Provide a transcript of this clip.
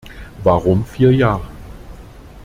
Warum vier Jahre?